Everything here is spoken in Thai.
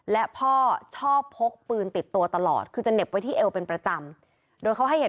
และพ่อชอบพกปืนติดตัวตลอดคือจะเหน็บไว้ที่เอวเป็นประจำ